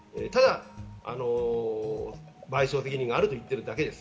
ただ賠償責任があると言ってるだけです。